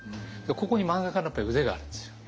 ここに漫画家の腕があるんですよ。